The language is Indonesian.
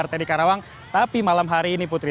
selamat malam fitri